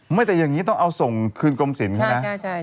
ไม่แต่อย่างนี้ต้องเอาส่งคืนกรมศิลป์เขานะ